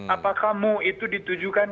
apakah mu itu ditujukan